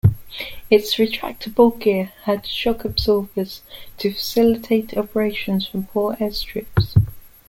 Its retractable gear had shock-absorbers to facilitate operations from poor airstrips.